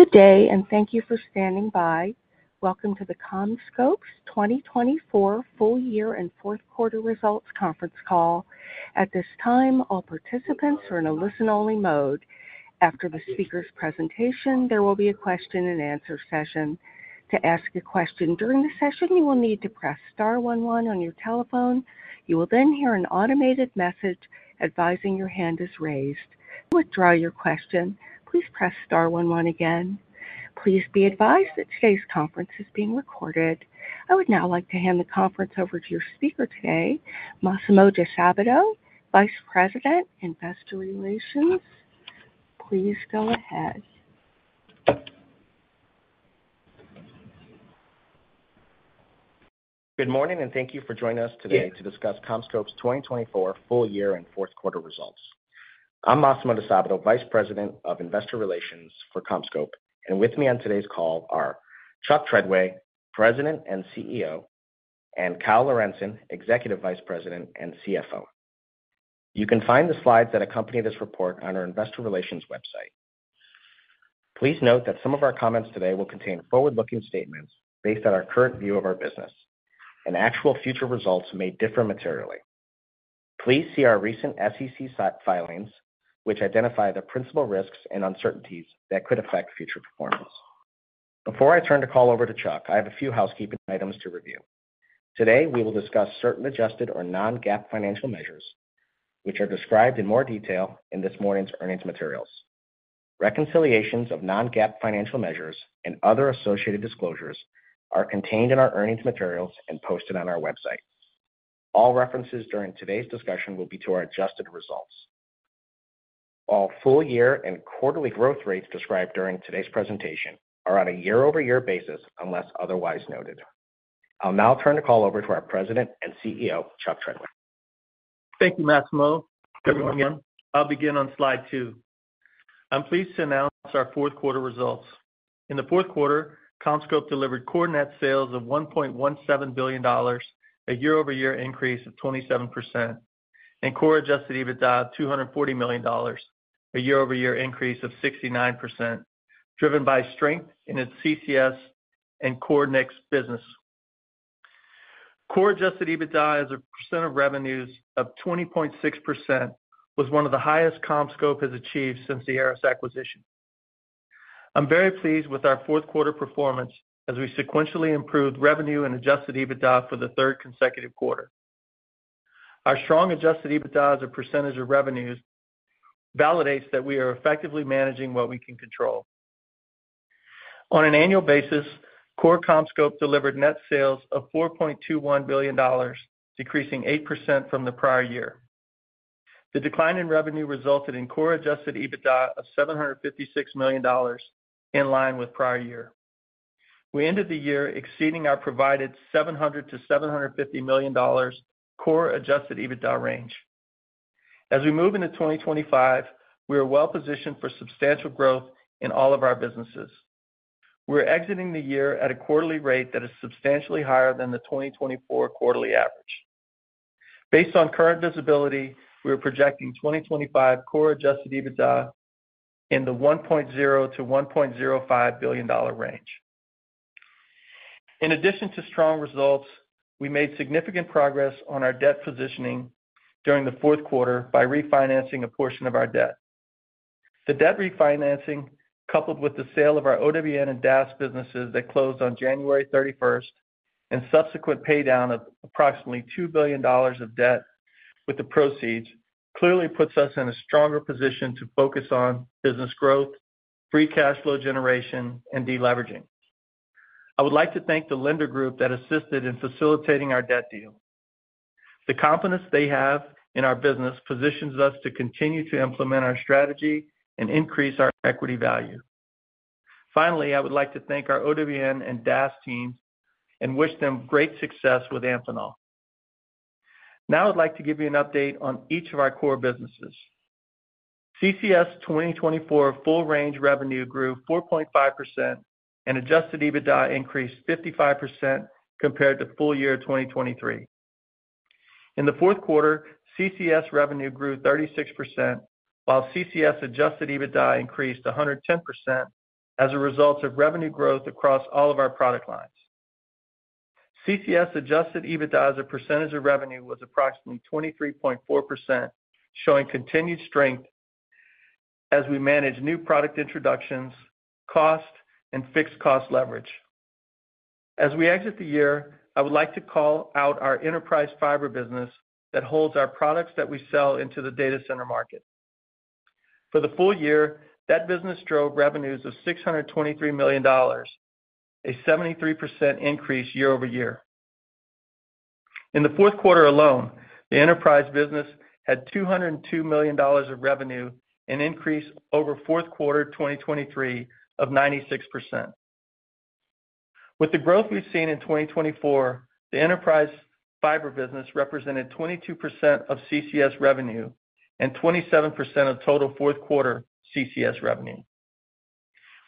Good day, and thank you for standing by. Welcome to the CommScope's 2024 full year and fourth quarter results conference call. At this time, all participants are in a listen-only mode. After the speaker's presentation, there will be a question-and-answer session. To ask a question during the session, you will need to press star 11 on your telephone. You will then hear an automated message advising your hand is raised. To withdraw your question, please press star one one again. Please be advised that today's conference is being recorded. I would now like to hand the conference over to your speaker today, Massimo Disabato, Vice President, Investor Relations. Please go ahead. Good morning, and thank you for joining us today to discuss CommScope's 2024 full year and fourth quarter results. I'm Massimo Disabato, Vice President of Investor Relations for CommScope, and with me on today's call are Chuck Treadway, President and CEO, and Kyle Lorentzen, Executive Vice President and CFO. You can find the slides that accompany this report on our Investor Relations website. Please note that some of our comments today will contain forward-looking statements based on our current view of our business, and actual future results may differ materially. Please see our recent SEC filings, which identify the principal risks and uncertainties that could affect future performance. Before I turn the call over to Chuck, I have a few housekeeping items to review. Today, we will discuss certain adjusted or non-GAAP financial measures, which are described in more detail in this morning's earnings materials. Reconciliations of non-GAAP financial measures and other associated disclosures are contained in our earnings materials and posted on our website. All references during today's discussion will be to our adjusted results. All full year and quarterly growth rates described during today's presentation are on a year-over-year basis unless otherwise noted. I'll now turn the call over to our President and CEO, Chuck Treadway. Thank you, Massimo. Good morning. Everyone, I'll begin on slide two. I'm pleased to announce our fourth quarter results. In the fourth quarter, CommScope delivered core net sales of $1.17 billion, a year-over-year increase of 27%, and core Adjusted EBITDA of $240 million, a year-over-year increase of 69%, driven by strength in its CCS and Core NICS business. Core Adjusted EBITDA as a percent of revenues of 20.6% was one of the highest CommScope has achieved since the ARRIS acquisition. I'm very pleased with our fourth quarter performance as we sequentially improved revenue and Adjusted EBITDA for the third consecutive quarter. Our strong Adjusted EBITDA as a percentage of revenues validates that we are effectively managing what we can control. On an annual basis, core CommScope delivered net sales of $4.21 billion, decreasing 8% from the prior year. The decline in revenue resulted in core Adjusted EBITDA of $756 million, in line with prior year. We ended the year exceeding our provided $700-$750 million core adjusted EBITDA range. As we move into 2025, we are well positioned for substantial growth in all of our businesses. We are exiting the year at a quarterly rate that is substantially higher than the 2024 quarterly average. Based on current visibility, we are projecting 2025 core adjusted EBITDA in the $1.0-$1.05 billion range. In addition to strong results, we made significant progress on our debt positioning during the fourth quarter by refinancing a portion of our debt. The debt refinancing, coupled with the sale of our OWN and DAS businesses that closed on January 31st, and subsequent paydown of approximately $2 billion of debt with the proceeds, clearly puts us in a stronger position to focus on business growth, free cash flow generation, and deleveraging. I would like to thank the lender group that assisted in facilitating our debt deal. The confidence they have in our business positions us to continue to implement our strategy and increase our equity value. Finally, I would like to thank our OWN and DAS teams and wish them great success with Amphenol. Now, I'd like to give you an update on each of our core businesses. CCS 2024 full year revenue grew 4.5%, and Adjusted EBITDA increased 55% compared to full year 2023. In the fourth quarter, CCS revenue grew 36%, while CCS Adjusted EBITDA increased 110% as a result of revenue growth across all of our product lines. CCS Adjusted EBITDA as a percentage of revenue was approximately 23.4%, showing continued strength as we manage new product introductions, cost, and fixed cost leverage. As we exit the year, I would like to call out our enterprise fiber business that holds our products that we sell into the data center market. For the full year, that business drove revenues of $623 million, a 73% increase year-over-year. In the fourth quarter alone, the enterprise business had $202 million of revenue, an increase over fourth quarter 2023 of 96%. With the growth we've seen in 2024, the enterprise fiber business represented 22% of CCS revenue and 27% of total fourth quarter CCS revenue.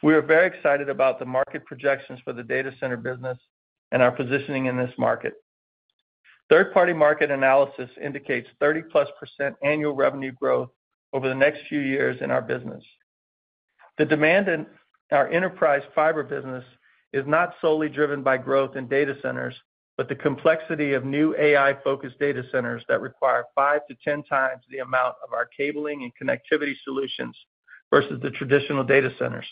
We are very excited about the market projections for the data center business and our positioning in this market. Third-party market analysis indicates 30-plus% annual revenue growth over the next few years in our business. The demand in our enterprise fiber business is not solely driven by growth in data centers, but the complexity of new AI-focused data centers that require 5-10x the amount of our cabling and connectivity solutions versus the traditional data centers.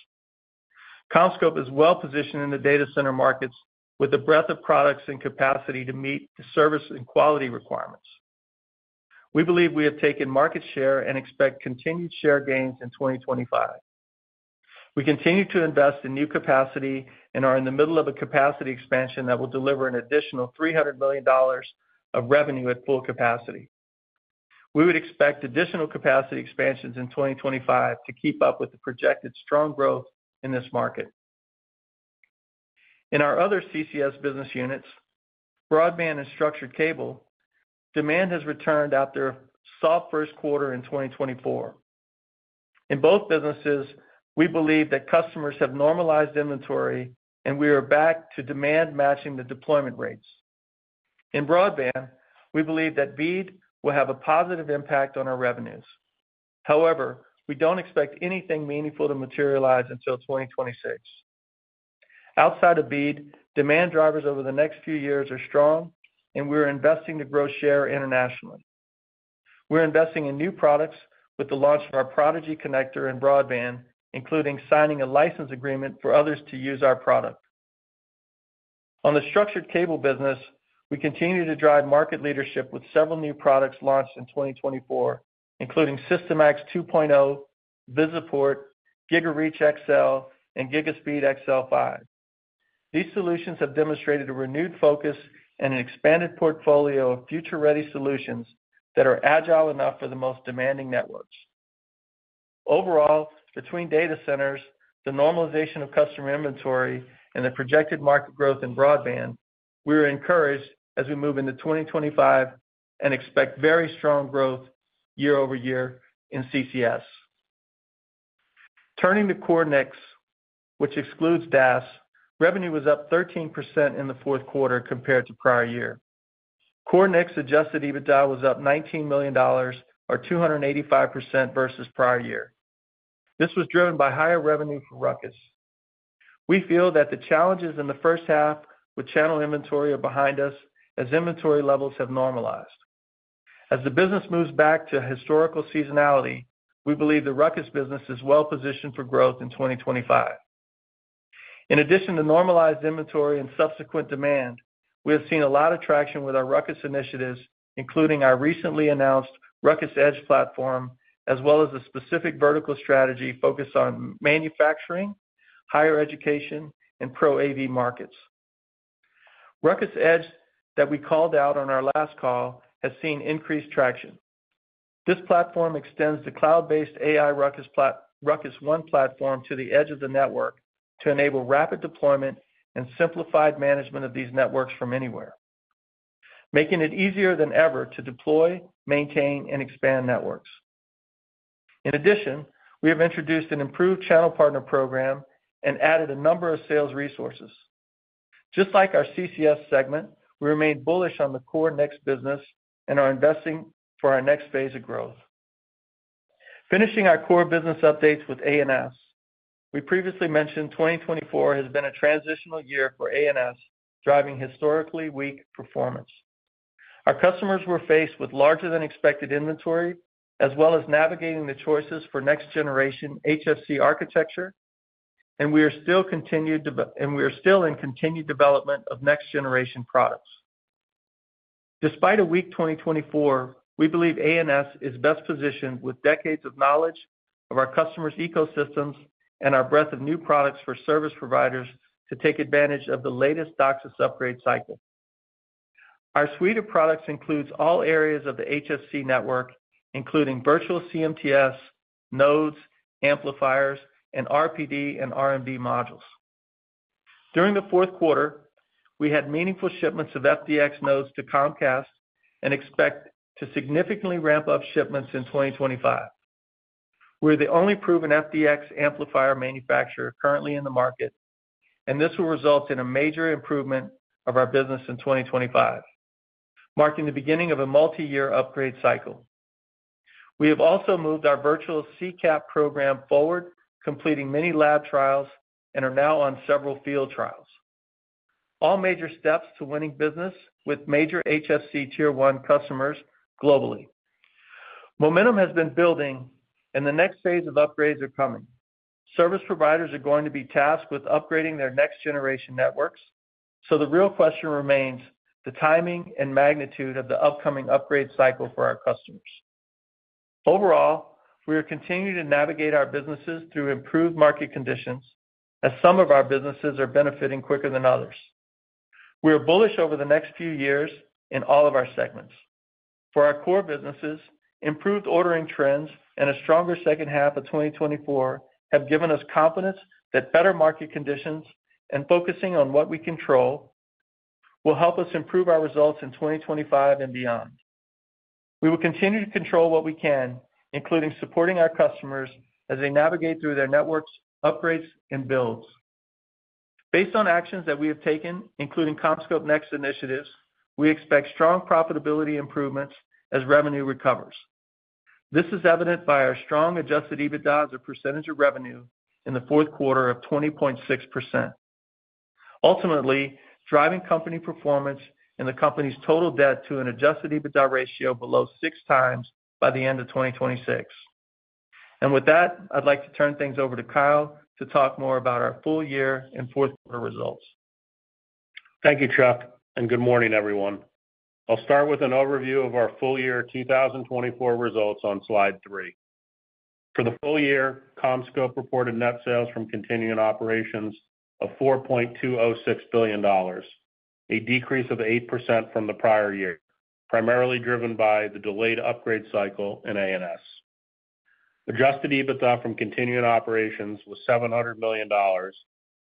CommScope is well positioned in the data center markets with a breadth of products and capacity to meet the service and quality requirements. We believe we have taken market share and expect continued share gains in 2025. We continue to invest in new capacity and are in the middle of a capacity expansion that will deliver an additional $300 million of revenue at full capacity. We would expect additional capacity expansions in 2025 to keep up with the projected strong growth in this market. In our other CCS business units, broadband and structured cable, demand has returned after a soft first quarter in 2024. In both businesses, we believe that customers have normalized inventory, and we are back to demand matching the deployment rates. In broadband, we believe that BEAD will have a positive impact on our revenues. However, we don't expect anything meaningful to materialize until 2026. Outside of BEAD, demand drivers over the next few years are strong, and we are investing to grow share internationally. We're investing in new products with the launch of our Prodigy Connector in broadband, including signing a license agreement for others to use our product. On the structured cable business, we continue to drive market leadership with several new products launched in 2024, including SYSTIMAX 2.0, VisiPORT, GigaREACH XL, and GigaSPEED XL5. These solutions have demonstrated a renewed focus and an expanded portfolio of future-ready solutions that are agile enough for the most demanding networks. Overall, between data centers, the normalization of customer inventory, and the projected market growth in broadband, we are encouraged as we move into 2025 and expect very strong growth year-over-year in CCS. Turning to Core NICS, which excludes DAS, revenue was up 13% in the fourth quarter compared to prior year. Core NICS Adjusted EBITDA was up $19 million, or 285% versus prior year. This was driven by higher revenue from Ruckus. We feel that the challenges in the first half with channel inventory are behind us as inventory levels have normalized. As the business moves back to historical seasonality, we believe the Ruckus business is well positioned for growth in 2025. In addition to normalized inventory and subsequent demand, we have seen a lot of traction with our Ruckus initiatives, including our recently announced Ruckus Edge platform, as well as a specific vertical strategy focused on manufacturing, higher education, and Pro AV markets. Ruckus Edge that we called out on our last call has seen increased traction. This platform extends the cloud-based AI Ruckus One platform to the edge of the network to enable rapid deployment and simplified management of these networks from anywhere, making it easier than ever to deploy, maintain, and expand networks. In addition, we have introduced an improved channel partner program and added a number of sales resources. Just like our CCS segment, we remain bullish on the Core NICS business and are investing for our next phase of growth. Finishing our core business updates with ANS, we previously mentioned 2024 has been a transitional year for ANS, driving historically weak performance. Our customers were faced with larger-than-expected inventory, as well as navigating the choices for next-generation HFC architecture, and we are still in continued development of next-generation products. Despite a weak 2024, we believe ANS is best positioned with decades of knowledge of our customers' ecosystems and our breadth of new products for service providers to take advantage of the latest DOCSIS upgrade cycle. Our suite of products includes all areas of the HFC network, including virtual CMTS, nodes, amplifiers, and RPD and RMD modules. During the fourth quarter, we had meaningful shipments of FDX nodes to Comcast and expect to significantly ramp up shipments in 2025. We're the only proven FDX amplifier manufacturer currently in the market, and this will result in a major improvement of our business in 2025, marking the beginning of a multi-year upgrade cycle. We have also moved our virtual CCAP program forward, completing many lab trials and are now on several field trials. All major steps to winning business with major HFC tier 1 customers globally. Momentum has been building, and the next phase of upgrades are coming. Service providers are going to be tasked with upgrading their next-generation networks, so the real question remains the timing and magnitude of the upcoming upgrade cycle for our customers. Overall, we are continuing to navigate our businesses through improved market conditions, as some of our businesses are benefiting quicker than others. We are bullish over the next few years in all of our segments. For our core businesses, improved ordering trends and a stronger second half of 2024 have given us confidence that better market conditions and focusing on what we control will help us improve our results in 2025 and beyond. We will continue to control what we can, including supporting our customers as they navigate through their networks, upgrades, and builds. Based on actions that we have taken, including CommScope NEXT initiatives, we expect strong profitability improvements as revenue recovers. This is evident by our strong Adjusted EBITDA as a percentage of revenue in the fourth quarter of 20.6%, ultimately driving company performance and the company's total debt to an Adjusted EBITDA ratio below six times by the end of 2026. And with that, I'd like to turn things over to Kyle to talk more about our full year and fourth quarter results. Thank you, Chuck, and good morning, everyone. I'll start with an overview of our full year 2024 results on slide three. For the full year, CommScope reported net sales from continuing operations of $4.206 billion, a decrease of 8% from the prior year, primarily driven by the delayed upgrade cycle in ANS. Adjusted EBITDA from continuing operations was $700 million,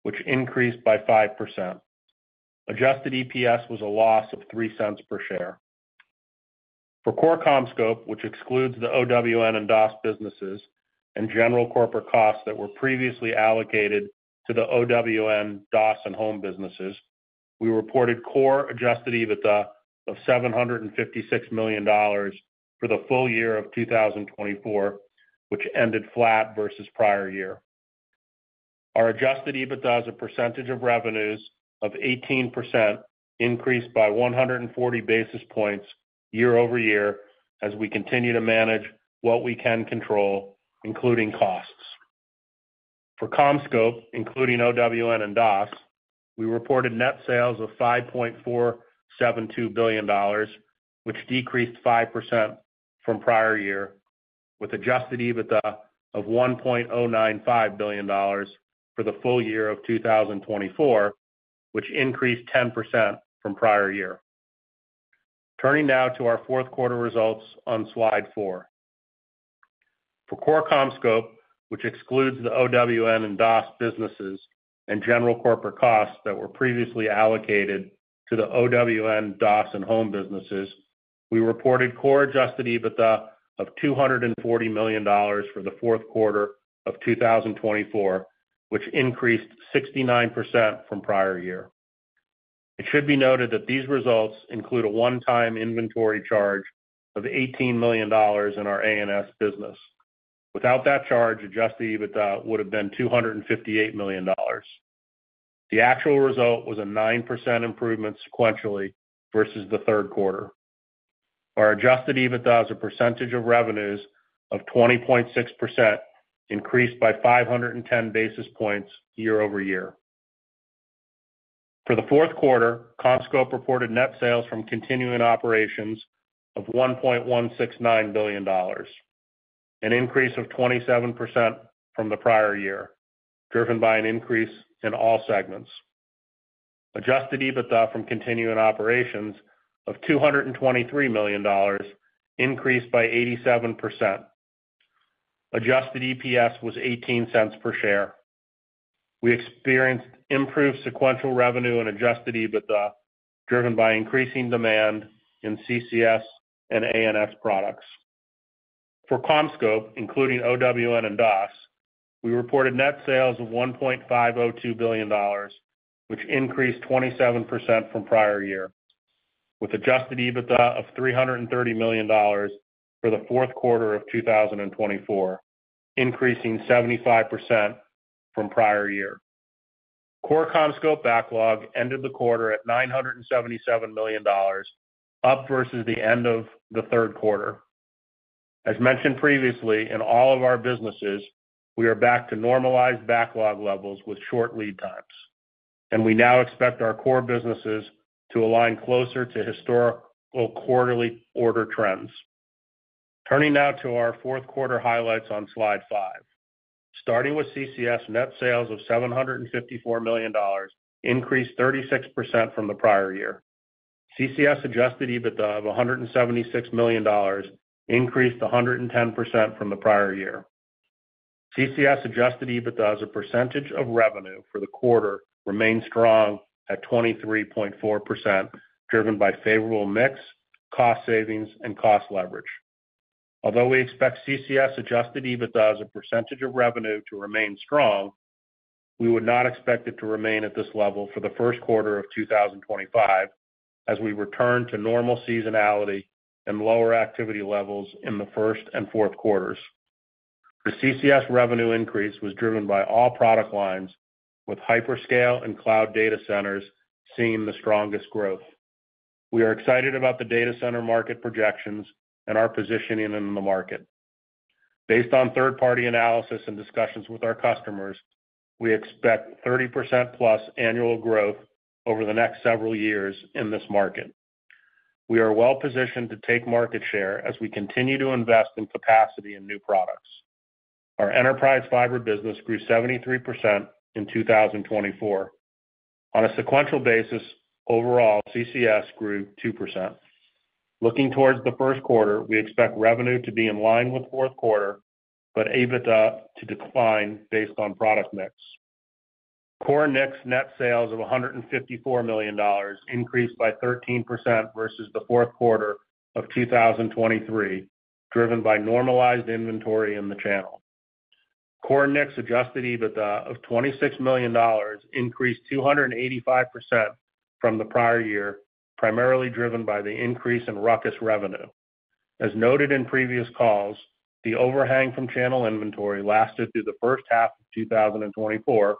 which increased by 5%. Adjusted EPS was a loss of $0.03 per share. For core CommScope, which excludes the OWN and DAS businesses and general corporate costs that were previously allocated to the OWN, DAS, and home businesses, we reported core adjusted EBITDA of $756 million for the full year of 2024, which ended flat versus prior year. Our adjusted EBITDA as a percentage of revenues of 18% increased by 140 basis points year-over-year as we continue to manage what we can control, including costs. For CommScope, including OWN and DAS, we reported net sales of $5.472 billion, which decreased 5% from prior year, with adjusted EBITDA of $1.095 billion for the full year of 2024, which increased 10% from prior year. Turning now to our fourth quarter results on slide four. For core CommScope, which excludes the OWN and DAS businesses and general corporate costs that were previously allocated to the OWN, DAS, and home businesses, we reported core adjusted EBITDA of $240 million for the fourth quarter of 2024, which increased 69% from prior year. It should be noted that these results include a one-time inventory charge of $18 million in our ANS business. Without that charge, adjusted EBITDA would have been $258 million. The actual result was a 9% improvement sequentially versus the third quarter. Our adjusted EBITDA as a percentage of revenues of 20.6% increased by 510 basis points year-over-year. For the fourth quarter, CommScope reported net sales from continuing operations of $1.169 billion, an increase of 27% from the prior year, driven by an increase in all segments. Adjusted EBITDA from continuing operations of $223 million increased by 87%. Adjusted EPS was $0.18 per share. We experienced improved sequential revenue and adjusted EBITDA driven by increasing demand in CCS and ANS products. For CommScope, including OWN and DAS, we reported net sales of $1.502 billion, which increased 27% from prior year, with adjusted EBITDA of $330 million for the fourth quarter of 2024, increasing 75% from prior year. Core CommScope backlog ended the quarter at $977 million, up versus the end of the third quarter. As mentioned previously, in all of our businesses, we are back to normalized backlog levels with short lead times, and we now expect our core businesses to align closer to historical quarterly order trends. Turning now to our fourth quarter highlights on slide five. Starting with CCS, net sales of $754 million increased 36% from the prior year. CCS adjusted EBITDA of $176 million increased 110% from the prior year. CCS adjusted EBITDA as a percentage of revenue for the quarter remained strong at 23.4%, driven by favorable mix, cost savings, and cost leverage. Although we expect CCS adjusted EBITDA as a percentage of revenue to remain strong, we would not expect it to remain at this level for the first quarter of 2025 as we return to normal seasonality and lower activity levels in the first and fourth quarters. The CCS revenue increase was driven by all product lines, with hyperscale and cloud data centers seeing the strongest growth. We are excited about the data center market projections and our positioning in the market. Based on third-party analysis and discussions with our customers, we expect 30% plus annual growth over the next several years in this market. We are well positioned to take market share as we continue to invest in capacity and new products. Our enterprise fiber business grew 73% in 2024. On a sequential basis, overall, CCS grew 2%. Looking towards the first quarter, we expect revenue to be in line with fourth quarter, but EBITDA to decline based on product mix. Core NICS net sales of $154 million increased by 13% versus the fourth quarter of 2023, driven by normalized inventory in the channel. Core NICS Adjusted EBITDA of $26 million increased 285% from the prior year, primarily driven by the increase in Ruckus revenue. As noted in previous calls, the overhang from channel inventory lasted through the first half of 2024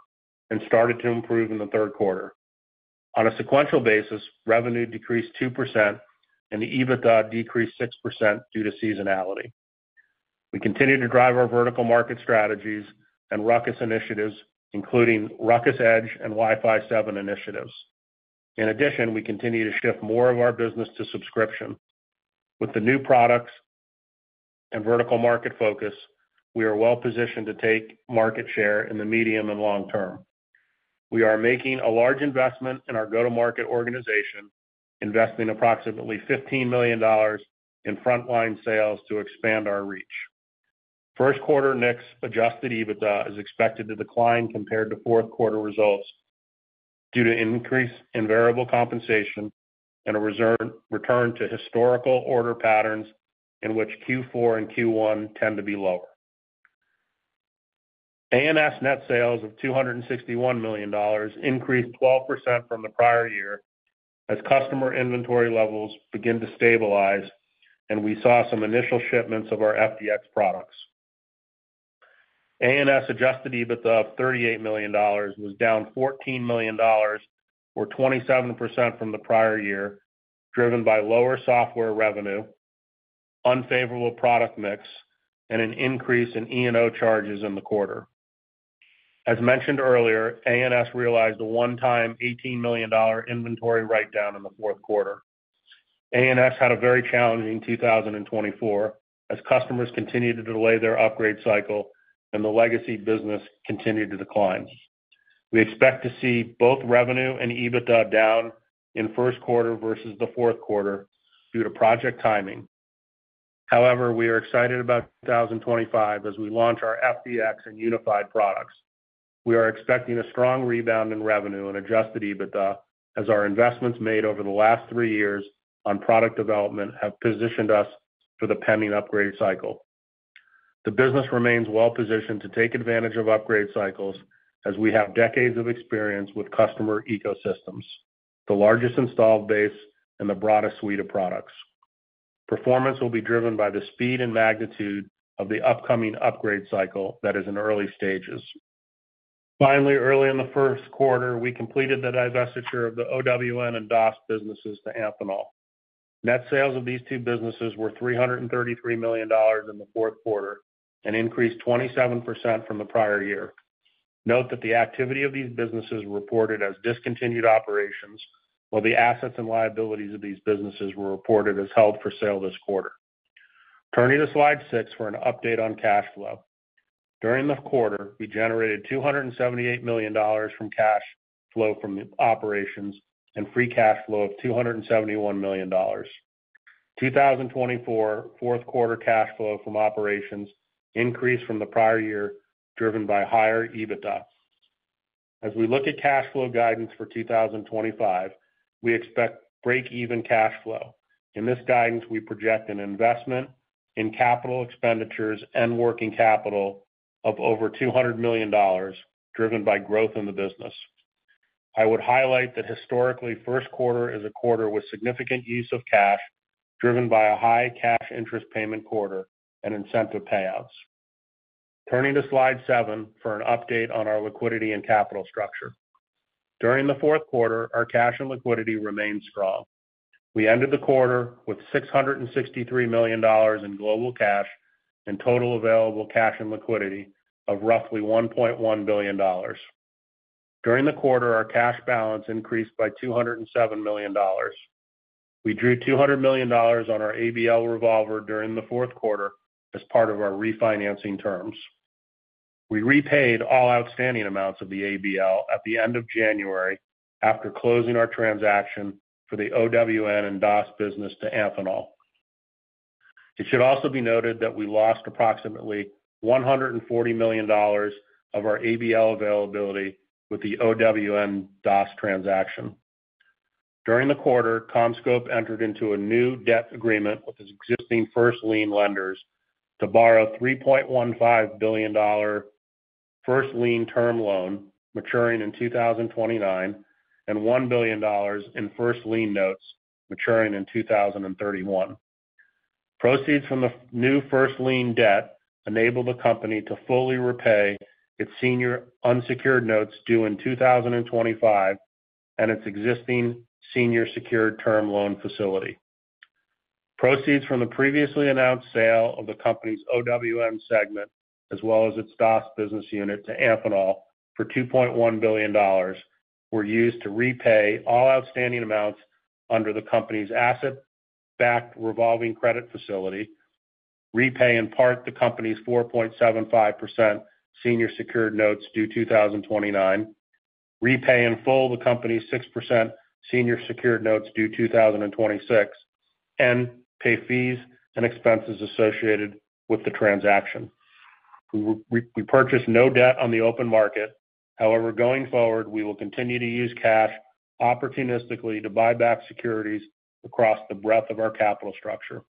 and started to improve in the third quarter. On a sequential basis, revenue decreased 2% and EBITDA decreased 6% due to seasonality. We continue to drive our vertical market strategies and Ruckus initiatives, including Ruckus Edge and Wi-Fi 7 initiatives. In addition, we continue to shift more of our business to subscription. With the new products and vertical market focus, we are well positioned to take market share in the medium and long term. We are making a large investment in our go-to-market organization, investing approximately $15 million in frontline sales to expand our reach. First quarter mix adjusted EBITDA is expected to decline compared to fourth quarter results due to increase in variable compensation and a return to historical order patterns in which Q4 and Q1 tend to be lower. ANS net sales of $261 million increased 12% from the prior year as customer inventory levels begin to stabilize, and we saw some initial shipments of our FDX products. ANS adjusted EBITDA of $38 million was down $14 million, or 27% from the prior year, driven by lower software revenue, unfavorable product mix, and an increase in E&O charges in the quarter. As mentioned earlier, ANS realized a one-time $18 million inventory write-down in the fourth quarter. ANS had a very challenging 2024 as customers continued to delay their upgrade cycle and the legacy business continued to decline. We expect to see both revenue and EBITDA down in first quarter versus the fourth quarter due to project timing. However, we are excited about 2025 as we launch our FDX and Unified products. We are expecting a strong rebound in revenue and adjusted EBITDA as our investments made over the last three years on product development have positioned us for the pending upgrade cycle. The business remains well positioned to take advantage of upgrade cycles as we have decades of experience with customer ecosystems, the largest installed base, and the broadest suite of products. Performance will be driven by the speed and magnitude of the upcoming upgrade cycle that is in early stages. Finally, early in the first quarter, we completed the divestiture of the OWN and DAS businesses to Amphenol. Net sales of these two businesses were $333 million in the fourth quarter and increased 27% from the prior year. Note that the activity of these businesses reported as discontinued operations, while the assets and liabilities of these businesses were reported as held for sale this quarter. Turning to slide six for an update on cash flow. During the quarter, we generated $278 million from cash flow from operations and free cash flow of $271 million. 2024 fourth quarter cash flow from operations increased from the prior year, driven by higher EBITDA. As we look at cash flow guidance for 2025, we expect break-even cash flow. In this guidance, we project an investment in capital expenditures and working capital of over $200 million, driven by growth in the business. I would highlight that historically, first quarter is a quarter with significant use of cash, driven by a high cash interest payment quarter and incentive payouts. Turning to slide seven for an update on our liquidity and capital structure. During the fourth quarter, our cash and liquidity remained strong. We ended the quarter with $663 million in global cash and total available cash and liquidity of roughly $1.1 billion. During the quarter, our cash balance increased by $207 million. We drew $200 million on our ABL revolver during the fourth quarter as part of our refinancing terms. We repaid all outstanding amounts of the ABL at the end of January after closing our transaction for the OWN and DAS business to Amphenol. It should also be noted that we lost approximately $140 million of our ABL availability with the OWN-DAS transaction. During the quarter, CommScope entered into a new debt agreement with its existing first lien lenders to borrow $3.15 billion first lien term loan maturing in 2029 and $1 billion in first lien notes maturing in 2031. Proceeds from the new first lien debt enable the company to fully repay its senior unsecured notes due in 2025 and its existing senior secured term loan facility. Proceeds from the previously announced sale of the company's OWN segment, as well as its DAS business unit to Amphenol for $2.1 billion, were used to repay all outstanding amounts under the company's asset-backed revolving credit facility, repay in part the company's 4.75% senior secured notes due 2029, repay in full the company's 6% senior secured notes due 2026, and pay fees and expenses associated with the transaction. We purchased no debt on the open market. However, going forward, we will continue to use cash opportunistically to buy back securities across the breadth of our capital structure.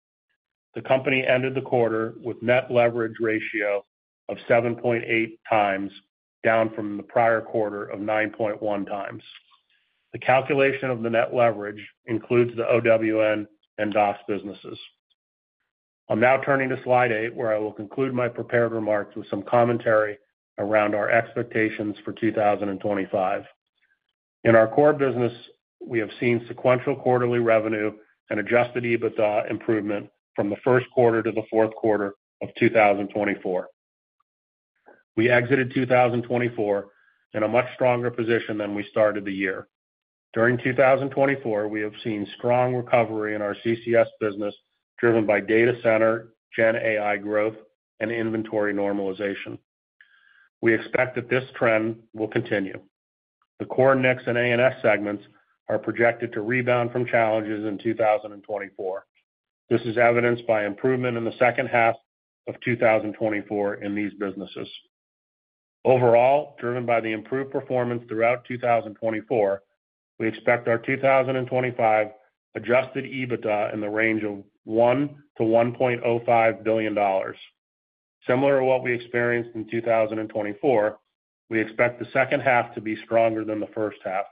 The company ended the quarter with net leverage ratio of 7.8x, down from the prior quarter of 9.1x. The calculation of the net leverage includes the OWN and DAS businesses. I'm now turning to slide eight, where I will conclude my prepared remarks with some commentary around our expectations for 2025. In our core business, we have seen sequential quarterly revenue and Adjusted EBITDA improvement from the first quarter to the fourth quarter of 2024. We exited 2024 in a much stronger position than we started the year. During 2024, we have seen strong recovery in our CCS business, driven by data center, GenAI growth, and inventory normalization. We expect that this trend will continue. The Core NICS and ANS segments are projected to rebound from challenges in 2024. This is evidenced by improvement in the second half of 2024 in these businesses. Overall, driven by the improved performance throughout 2024, we expect our 2025 Adjusted EBITDA in the range of $1-$1.05 billion. Similar to what we experienced in 2024, we expect the second half to be stronger than the first half.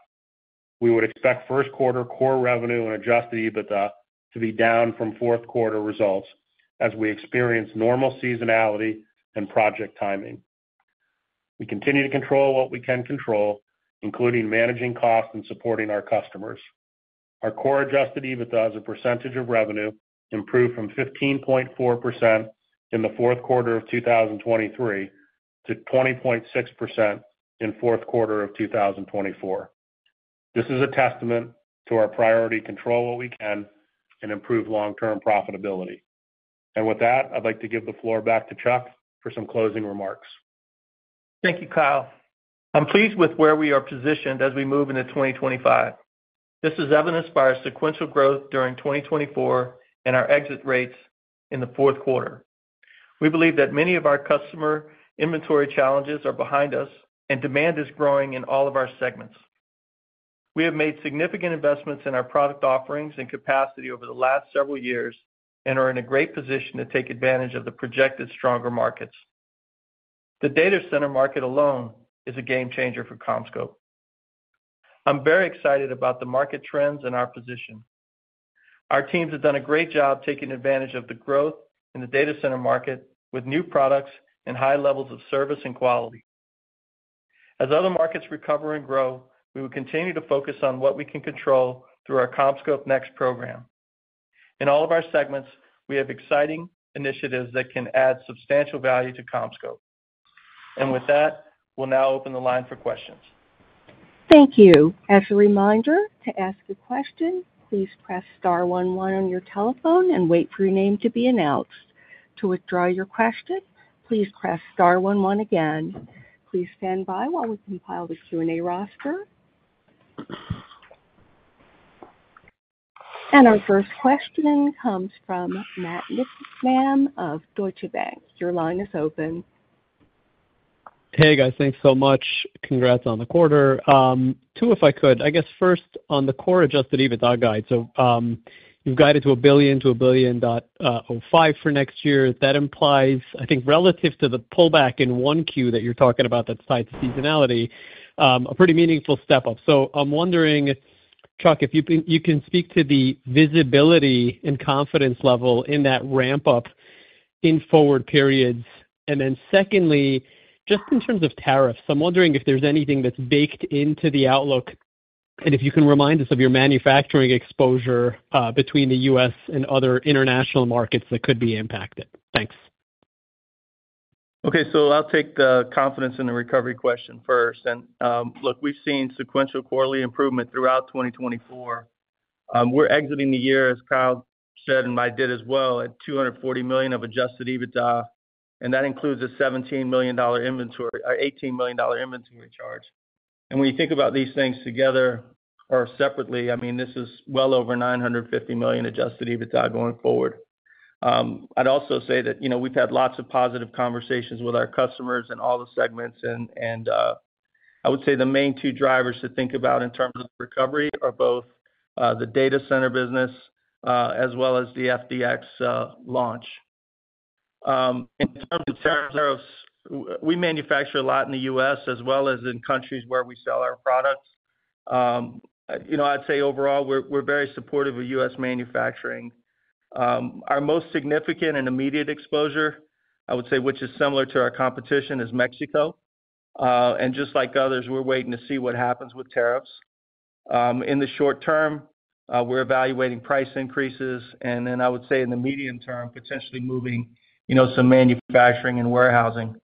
We would expect first quarter core revenue and Adjusted EBITDA to be down from fourth quarter results as we experience normal seasonality and project timing. We continue to control what we can control, including managing costs and supporting our customers. Our core Adjusted EBITDA as a percentage of revenue improved from 15.4% in the fourth quarter of 2023 to 20.6% in fourth quarter of 2024. This is a testament to our priority to control what we can and improve long-term profitability. And with that, I'd like to give the floor back to Chuck for some closing remarks. Thank you, Kyle. I'm pleased with where we are positioned as we move into 2025. This is evidenced by our sequential growth during 2024 and our exit rates in the fourth quarter. We believe that many of our customer inventory challenges are behind us, and demand is growing in all of our segments. We have made significant investments in our product offerings and capacity over the last several years and are in a great position to take advantage of the projected stronger markets. The data center market alone is a game changer for CommScope. I'm very excited about the market trends and our position. Our teams have done a great job taking advantage of the growth in the data center market with new products and high levels of service and quality. As other markets recover and grow, we will continue to focus on what we can control through our CommScope NEXT program. In all of our segments, we have exciting initiatives that can add substantial value to CommScope. And with that, we'll now open the line for questions. Thank you. As a reminder, to ask a question, please press star one one on your telephone and wait for your name to be announced. To withdraw your question, please press star one one again. Please stand by while we compile the Q&A roster. And our first question comes from Matt Niknam of Deutsche Bank. Your line is open. Hey, guys. Thanks so much. Congrats on the quarter. Two, if I could, I guess first on the core Adjusted EBITDA guide. So you've guided to $1 billion-$1.05 billion for next year. That implies, I think, relative to the pullback in 1Q that you're talking about that tied to seasonality, a pretty meaningful step up. So I'm wondering, Chuck, if you can speak to the visibility and confidence level in that ramp-up in forward periods. And then secondly, just in terms of tariffs, I'm wondering if there's anything that's baked into the outlook and if you can remind us of your manufacturing exposure between the U.S. and other international markets that could be impacted. Thanks. Okay. So I'll take the confidence in the recovery question first. And look, we've seen sequential quarterly improvement throughout 2024. We're exiting the year, as Kyle said and I did as well, at $240 million of Adjusted EBITDA. And that includes a $17 million inventory or $18 million inventory charge. When you think about these things together or separately, I mean, this is well over $950 million Adjusted EBITDA going forward. I'd also say that we've had lots of positive conversations with our customers and all the segments. I would say the main two drivers to think about in terms of recovery are both the data center business as well as the FDX launch. In terms of tariffs, we manufacture a lot in the U.S. as well as in countries where we sell our products. I'd say overall, we're very supportive of U.S. manufacturing. Our most significant and immediate exposure, I would say, which is similar to our competition, is Mexico. Just like others, we're waiting to see what happens with tariffs. In the short term, we're evaluating price increases. Then I would say in the medium term, potentially moving some manufacturing and warehousing.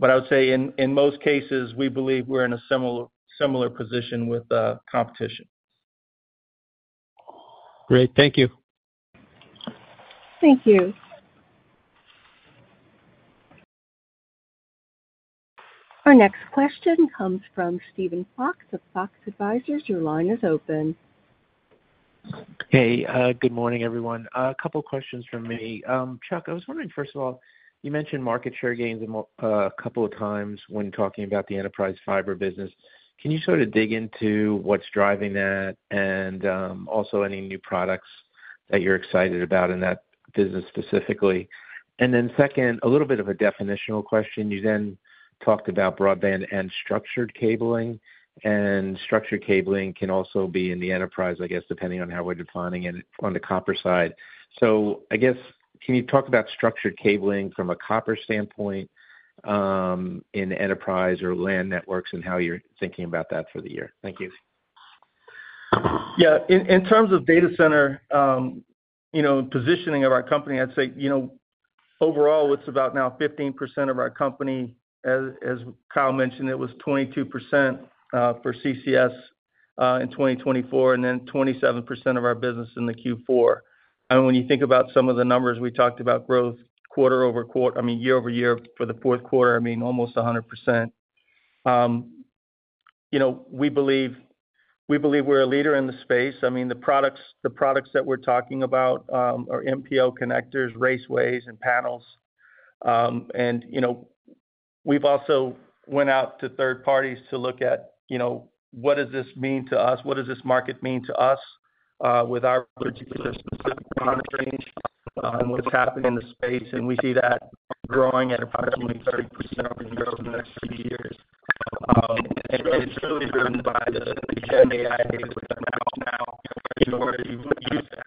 But I would say in most cases, we believe we're in a similar position with competition. Great. Thank you. Thank you. Our next question comes from Steven Fox of Fox Advisors. Your line is open. Hey. Good morning, everyone. A couple of questions from me. Chuck, I was wondering, first of all, you mentioned market share gains a couple of times when talking about the enterprise fiber business. Can you sort of dig into what's driving that and also any new products that you're excited about in that business specifically? And then second, a little bit of a definitional question. You then talked about broadband and structured cabling. And structured cabling can also be in the enterprise, I guess, depending on how we're defining it on the copper side. So I guess, can you talk about structured cabling from a copper standpoint in enterprise or LAN networks and how you're thinking about that for the year? Thank you. Yeah. In terms of data center positioning of our company, I'd say overall, it's about now 15% of our company. As Kyle mentioned, it was 22% for CCS in 2024 and then 27% of our business in the Q4. And when you think about some of the numbers, we talked about growth quarter over quarter, I mean, year over year for the fourth quarter, I mean, almost 100%. We believe we're a leader in the space. I mean, the products that we're talking about are MPO connectors, raceways, and panels. And we've also went out to third parties to look at what does this mean to us? What does this market mean to us with our particular specific monitoring and what's happening in the space? And we see that growing at approximately 30% over the next few years. And it's really driven by the GenAI data centers we have now in order to use that.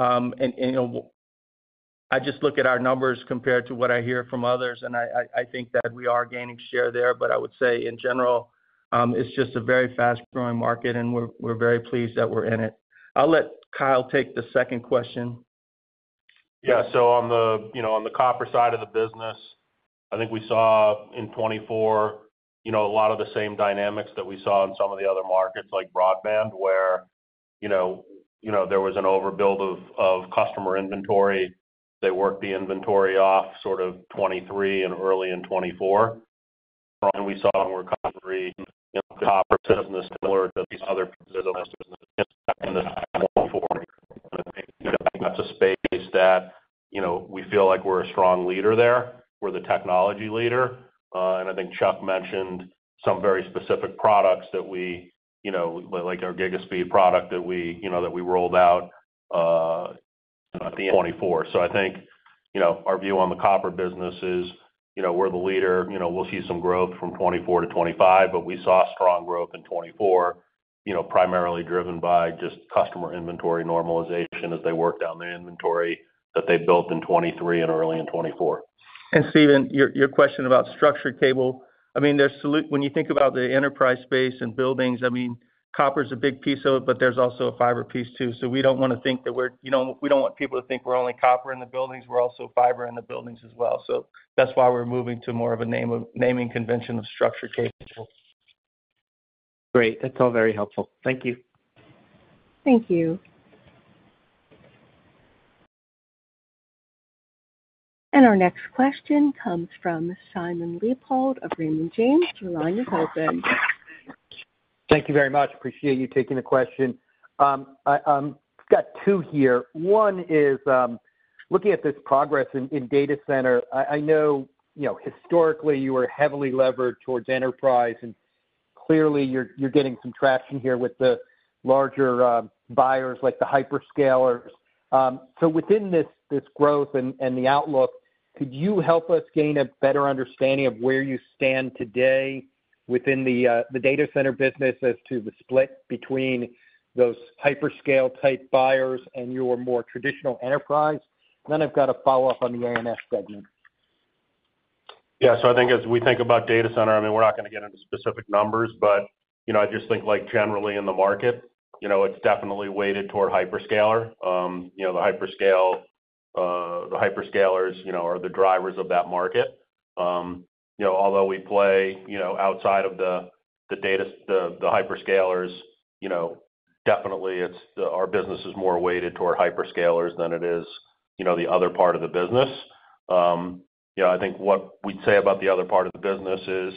And I just look at our numbers compared to what I hear from others, and I think that we are gaining share there. But I would say, in general, it's just a very fast-growing market, and we're very pleased that we're in it. I'll let Kyle take the second question. Yeah. So on the copper side of the business, I think we saw in 2024 a lot of the same dynamics that we saw in some of the other markets like broadband, where there was an overbuild of customer inventory. They worked the inventory off sort of 2023 and early in 2024. We saw a recovery in the copper business similar to these other businesses in the 2024. I think that's a space that we feel like we're a strong leader there. We're the technology leader. And I think Chuck mentioned some very specific products that we, like our GigaSpeed product that we rolled out at the 2024. So I think our view on the copper business is we're the leader. We'll see some growth from 2024 to 2025, but we saw strong growth in 2024, primarily driven by just customer inventory normalization as they work down their inventory that they built in 2023 and early in 2024. And Steven, your question about structured cable, I mean, when you think about the enterprise space and buildings, I mean, copper is a big piece of it, but there's also a fiber piece too. So we don't want people to think that we're only copper in the buildings. We're also fiber in the buildings as well. So that's why we're moving to more of a naming convention of structured cable. Great. That's all very helpful. Thank you. Thank you. And our next question comes from Simon Leopold of Raymond James. Your line is open. Thank you very much. Appreciate you taking the question. I've got two here. One is looking at this progress in data center. I know historically you were heavily levered towards enterprise, and clearly you're getting some traction here with the larger buyers like the hyperscalers. So within this growth and the outlook, could you help us gain a better understanding of where you stand today within the data center business as to the split between those hyperscale-type buyers and your more traditional enterprise? And then I've got a follow-up on the ANS segment. Yeah. So I think as we think about data center, I mean, we're not going to get into specific numbers, but I just think generally in the market, it's definitely weighted toward hyperscalers. The hyperscalers are the drivers of that market. Although we play outside of the hyperscalers, definitely our business is more weighted toward hyperscalers than it is the other part of the business. I think what we'd say about the other part of the business is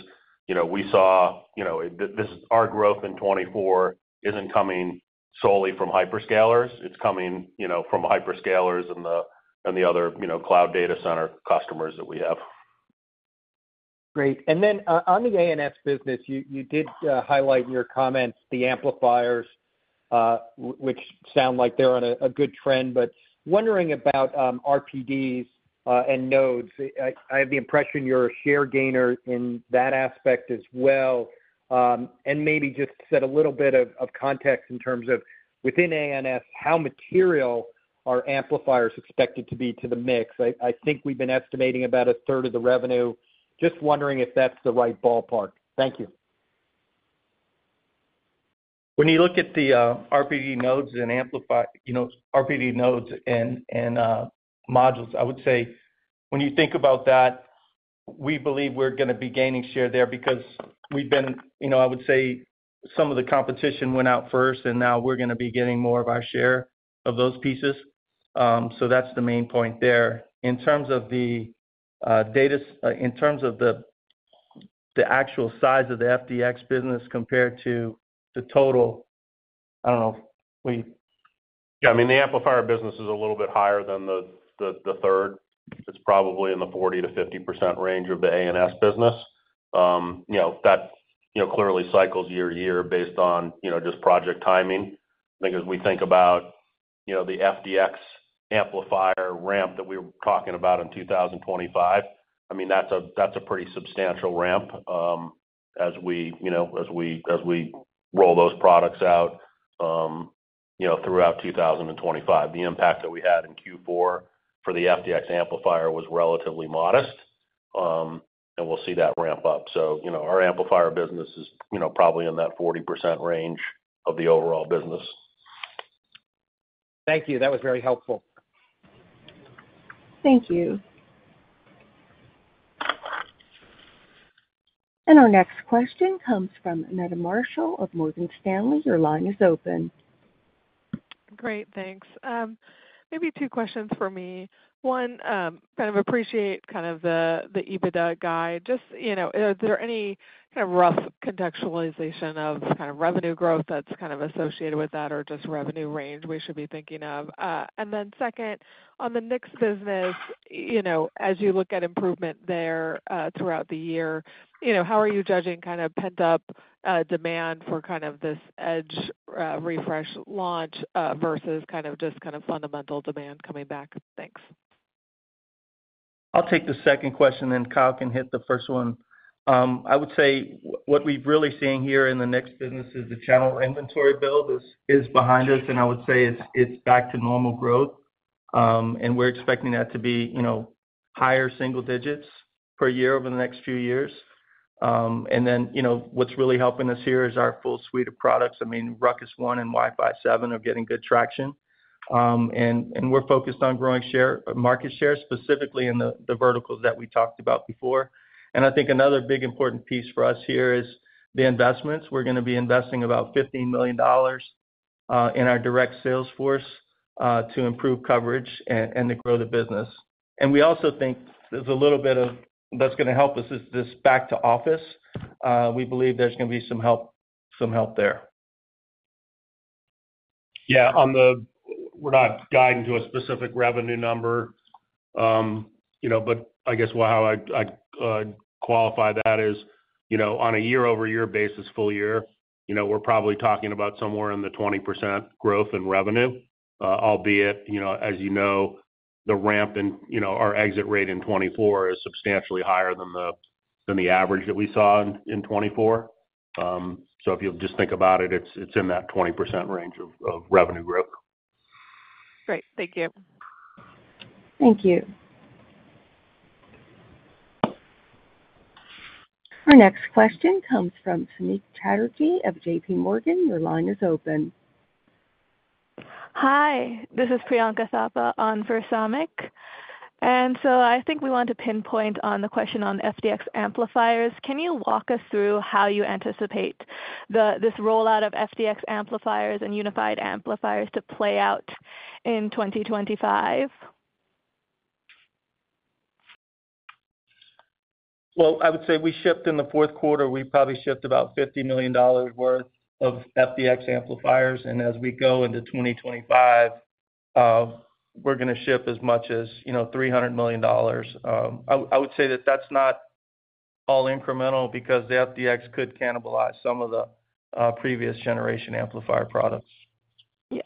our growth in 2024 isn't coming solely from hyperscalers. It's coming from hyperscalers and the other cloud data center customers that we have. Great. And then on the ANS business, you did highlight in your comments the amplifiers, which sound like they're on a good trend, but wondering about RPDs and nodes. I have the impression you're a share gainer in that aspect as well. And maybe just set a little bit of context in terms of within ANS, how material are amplifiers expected to be to the mix? I think we've been estimating about a third of the revenue. Just wondering if that's the right ballpark. Thank you. When you look at the RPD nodes and amplified RPD nodes and modules, I would say when you think about that, we believe we're going to be gaining share there because we've been, I would say, some of the competition went out first, and now we're going to be getting more of our share of those pieces. So that's the main point there. In terms of the data in terms of the actual size of the FDX business compared to the total, I don't know if we. Yeah. I mean, the amplifier business is a little bit higher than the third. It's probably in the 40%-50% range of the ANS business. That clearly cycles year to year based on just project timing. I think as we think about the FDX amplifier ramp that we were talking about in 2025, I mean, that's a pretty substantial ramp as we roll those products out throughout 2025. The impact that we had in Q4 for the FDX amplifier was relatively modest, and we'll see that ramp up. So our amplifier business is probably in that 40% range of the overall business. Thank you. That was very helpful. Thank you. And our next question comes from Meta Marshall of Morgan Stanley. Your line is open. Great. Thanks. Maybe two questions for me. One, kind of appreciate kind of the EBITDA guide. Just, is there any kind of rough contextualization of kind of revenue growth that's kind of associated with that or just revenue range we should be thinking of? And then second, on the NICS business, as you look at improvement there throughout the year, how are you judging kind of pent-up demand for kind of this edge refresh launch versus kind of just kind of fundamental demand coming back? Thanks. I'll take the second question, then Kyle can hit the first one. I would say what we've really seen here in the NICS business is the channel inventory build is behind us, and I would say it's back to normal growth. And we're expecting that to be higher single digits per year over the next few years. And then what's really helping us here is our full suite of products. I mean, Ruckus One and Wi-Fi 7 are getting good traction. And we're focused on growing market share specifically in the verticals that we talked about before. And I think another big important piece for us here is the investments. We're going to be investing about $15 million in our direct sales force to improve coverage and to grow the business. And we also think there's a little bit of that's going to help us is this back-to-office. We believe there's going to be some help there. Yeah. We're not guiding to a specific revenue number, but I guess how I'd qualify that is on a year-over-year basis, full year, we're probably talking about somewhere in the 20% growth in revenue, albeit, as you know, the ramp in our exit rate in 2024 is substantially higher than the average that we saw in 2024. So if you just think about it, it's in that 20% range of revenue growth. Great. Thank you. Thank you. Our next question comes from Samik Chatterjee of JPMorgan. Your line is open. Hi. This is Priyanka Soppa on for Samik. And so I think we want to pinpoint on the question on FDX amplifiers. Can you walk us through how you anticipate this rollout of FDX amplifiers and unified amplifiers to play out in 2025? Well, I would say we shipped in the fourth quarter, we probably shipped about $50 million worth of FDX amplifiers. And as we go into 2025, we're going to ship as much as $300 million. I would say that that's not all incremental because the FDX could cannibalize some of the previous generation amplifier products. Yeah.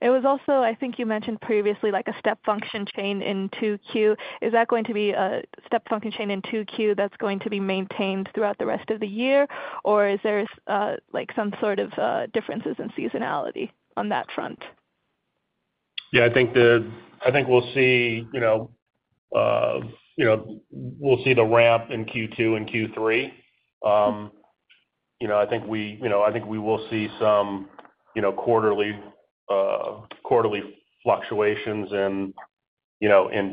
It was also, I think you mentioned previously, like a step function chain in 2Q. Is that going to be a step function chain in 2Q that's going to be maintained throughout the rest of the year? Or is there some sort of differences in seasonality on that front? Yeah. I think we'll see the ramp in Q2 and Q3. I think we will see some quarterly fluctuations in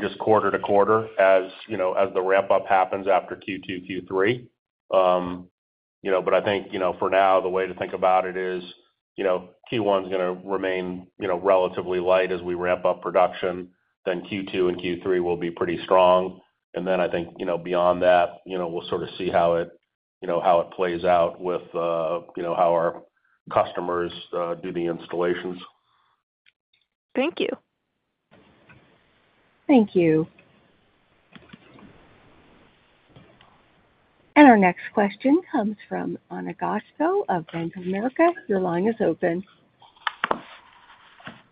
just quarter to quarter as the ramp-up happens after Q2, Q3. But I think for now, the way to think about it is Q1 is going to remain relatively light as we ramp up production. Then Q2 and Q3 will be pretty strong. And then I think beyond that, we'll sort of see how it plays out with how our customers do the installations. Thank you. Thank you. And our next question comes from Anna Guskova of Bank of America. Your line is open.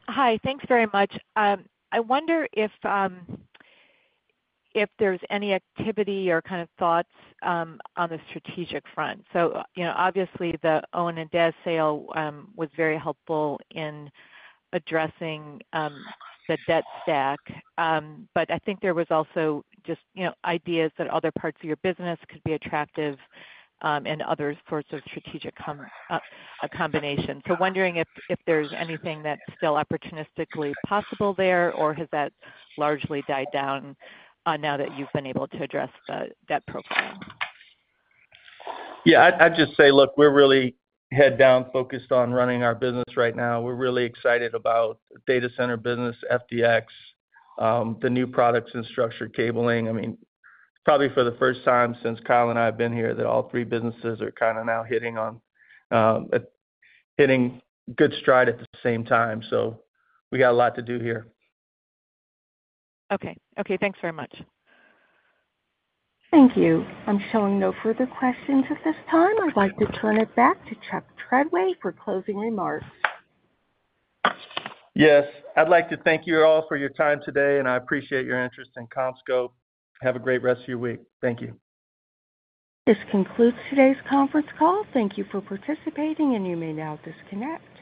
Hi. Thanks very much. I wonder if there's any activity or kind of thoughts on the strategic front. So obviously, the OWN and DAS sale was very helpful in addressing the debt stack, but I think there was also just ideas that other parts of your business could be attractive and other sorts of strategic combination. So wondering if there's anything that's still opportunistically possible there, or has that largely died down now that you've been able to address that profile? Yeah. I'd just say, look, we're really head-down focused on running our business right now. We're really excited about data center business, FDX, the new products, and structured cabling. I mean, probably for the first time since Kyle and I have been here, that all three businesses are kind of now hitting good stride at the same time. So we got a lot to do here. Okay. Okay. Thanks very much. Thank you. I'm showing no further questions at this time. I'd like to turn it back to Chuck Treadway for closing remarks. Yes. I'd like to thank you all for your time today, and I appreciate your interest in CommScope. Have a great rest of your week. Thank you. This concludes today's conference call. Thank you for participating, and you may now disconnect.